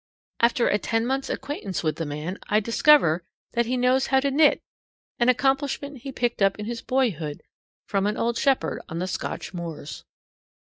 After a ten months' acquaintance with the man, I discover that he knows how to knit, an accomplishment he picked up in his boyhood from an old shepherd on the Scotch moors.